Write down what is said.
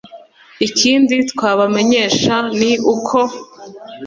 Ikindi twabamenyesha ni uko